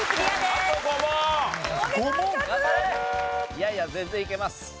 いやいや全然いけます。